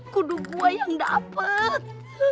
kudu buah yang dapet